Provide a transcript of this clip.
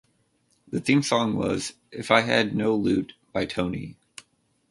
The theme song was "If I Had No Loot" by Tony!